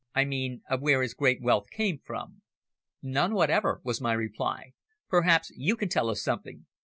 "I mean of where his great wealth came from?" "None whatever," was my reply. "Perhaps you can tell us something?"